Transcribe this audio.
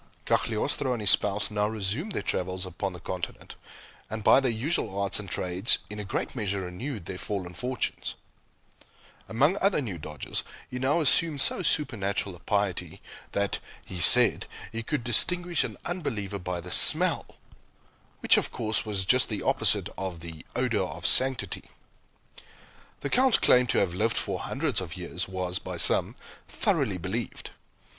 Cagliostro and his spouse now resumed their travels upon the Continent, and, by their usual arts and trades, in a great measure renewed their fallen fortunes. Among other new dodges, he now assumed so supernatural a piety that (he said) he could distinguish an unbeliever by the smell! which, of course, was just the opposite of the "odor of sanctity." The Count's claim to have lived for hundreds of years was, by some, thoroughly believed.